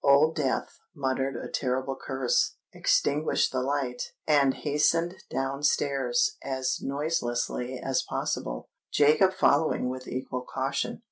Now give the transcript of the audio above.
Old Death muttered a terrible curse, extinguished the light, and hastened down stairs as noiselessly as possible—Jacob following with equal caution.